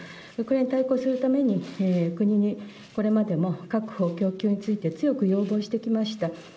そこに対抗するために、国にこれまでも確保供給について要望してきました